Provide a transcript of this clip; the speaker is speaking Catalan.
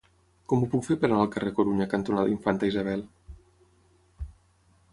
Com ho puc fer per anar al carrer Corunya cantonada Infanta Isabel?